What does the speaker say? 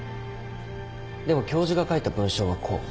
でも教授が書いた文章はこう。